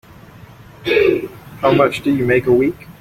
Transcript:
How much do you make a week?